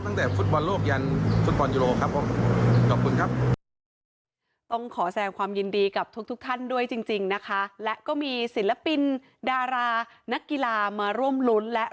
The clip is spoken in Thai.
ตั้งแต่ฟุตบอลโลกยันฟุตบอลยูโรครับผมขอบคุณครับ